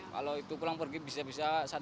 kalau itu pulang pergi bisa bisa